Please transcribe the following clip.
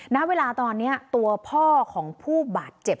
ณเวลาตอนนี้ตัวพ่อของผู้บาดเจ็บ